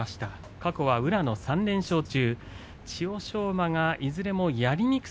過去は宇良が３連勝中。